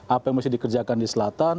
apa yang mesti dikerjakan di selatan